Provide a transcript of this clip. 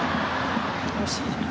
惜しいな。